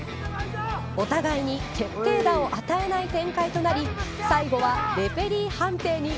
お互いに決定打を与えない展開となり最後はレフェリー判定に。